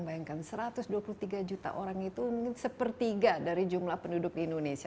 bayangkan satu ratus dua puluh tiga juta orang itu mungkin sepertiga dari jumlah penduduk di indonesia